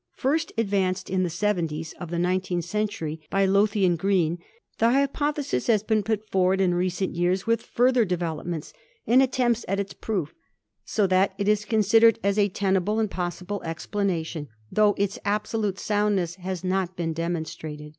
First ad vanced in the 70's of the nineteenth century by Lowthian Green, the hypothesis has been put forward in recent years with further developments and attempts at its proof, so that it is considered as a tenable and possible explanation, tho its absolute soundness has not been demonstrated.